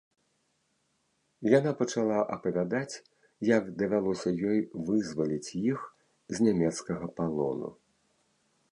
Яна пачала апавядаць, як давялося ёй вызваліць іх з нямецкага палону.